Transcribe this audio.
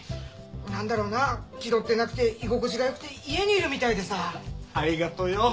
何だろうな気取ってなくて居心地がよくて家にいるみたいでさ！ありがとよ。